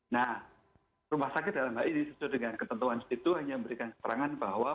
nah rumah sakit dalam hal ini sesuai dengan ketentuan itu hanya memberikan keterangan bahwa